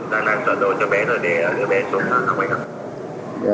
đang làm sợi đồ cho bé thôi để đưa bé xuống học anh ạ